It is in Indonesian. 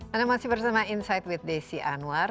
anda masih bersama insight with desi anwar